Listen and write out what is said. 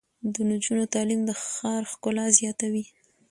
د نجونو تعلیم د ښار ښکلا زیاتوي.